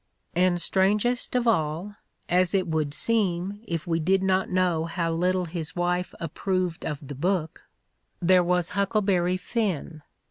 And, strang est of all, as it would seem if we did not know how little The Playboy in Letters 159 his wife approved of the book, there was "Huckleberry Finn."